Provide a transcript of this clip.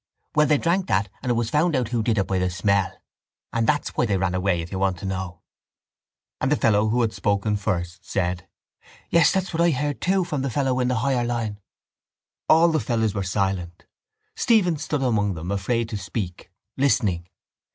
—Well, they drank that and it was found out who did it by the smell. And that's why they ran away, if you want to know. And the fellow who had spoken first said: —Yes, that's what I heard too from the fellow in the higher line. The fellows all were silent. Stephen stood among them, afraid to speak, listening.